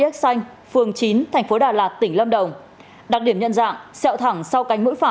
tại lịch như sau